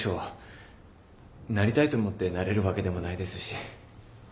なりたいと思ってなれるわけでもないですし。